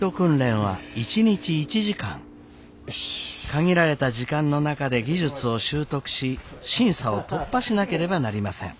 限られた時間の中で技術を習得し審査を突破しなければなりません。